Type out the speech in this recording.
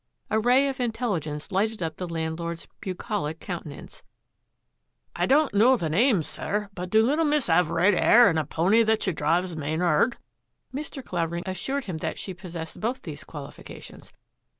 A ray of intelligence lighted up the landlord's bucolic countenance. ^^ I don't know the name, sir, but do little miss WILD ROSE VILLA 156 'ave red 'air and a pony that she drives main 'ard?" Mr. Clavering assured him that she possessed both these qualifications.